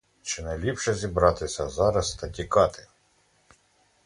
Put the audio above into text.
Чи не ліпше зібратися зараз та тікати?